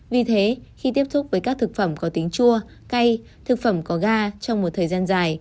vì thế khi tiếp thúc với các thực phẩm có tính chua cay thực phẩm có ga